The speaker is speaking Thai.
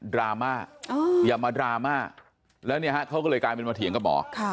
ดราม่าอย่ามาดราม่าแล้วเนี่ยฮะเขาก็เลยกลายเป็นมาเถียงกับหมอ